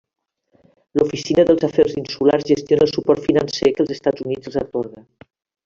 L'Oficina dels Afers Insulars gestiona el suport financer que els Estats Units els atorga.